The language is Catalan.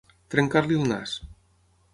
Trencar-li el nas.